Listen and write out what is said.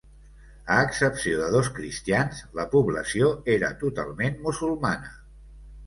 A excepció de dos cristians, la població era totalment musulmana.